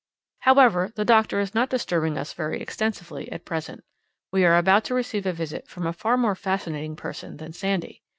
However, the doctor is not disturbing us very extensively at present. We are about to receive a visit from a far more fascinating person than Sandy.